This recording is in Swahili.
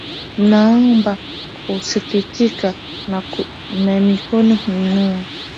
Naomba hisikitika, na mikono hiinua